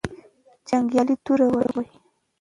جنګیالي توره وهې.